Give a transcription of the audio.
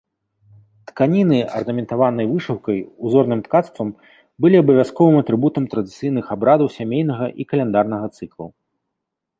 Тканіны, арнаментаваныя вышыўкай, узорным ткацтвам, былі абавязковым атрыбутам традыцыйных абрадаў сямейнага і каляндарнага цыклаў.